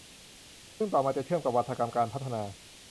ซึ่งต่อมาจะเชื่อมกับวาทกรรมการพัฒนา